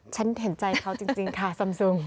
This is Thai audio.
ฉันเห็นใจเขาจริงค่ะซุ่ม